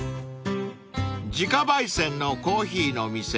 ［自家焙煎のコーヒーの店